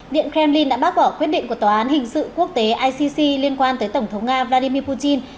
điện kremlin đã bác bỏ quyết định của tòa án hình sự quốc tế icc liên quan tới tổng thống nga vladimir putin